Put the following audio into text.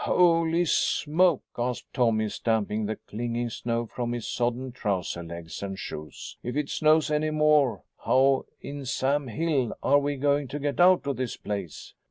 "Holy smoke!" gasped Tommy, stamping the clinging snow from his sodden trouser legs and shoes, "if it snows any more, how in Sam Hill are we going to get out of this place?"